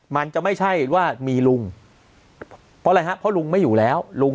มันจะไม่ใช่ว่ามีลุงเพราะอะไรฮะเพราะลุงไม่อยู่แล้วลุง